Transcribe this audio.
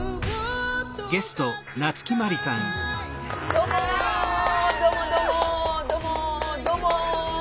どうもどうもどうもどうもどうも。